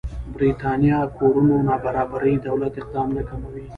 برېتانيا کورونو نابرابري دولت اقدام نه کموي.